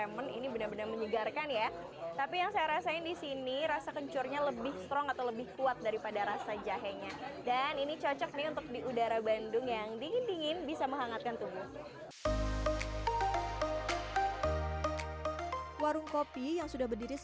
masih ada yang menarik